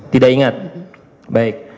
tidak ingat baik